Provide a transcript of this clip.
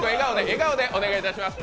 笑顔でお願いいたします。